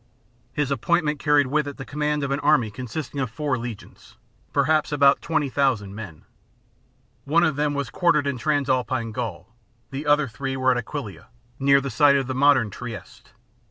His appointment carried with it the command of an army consisting of four legions, perhaps about twenty thousand men.^ One of them was quartered in Transalpine Gaul : the other three were at Aquileia, near the site of the modern Trieste.